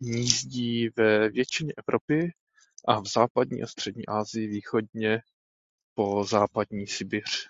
Hnízdí ve většině Evropy a v západní a střední Asii východně po západní Sibiř.